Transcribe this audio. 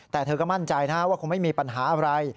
แต่เธอก็มั่นใจนะว่าคงไม่มีปัญหาอะไร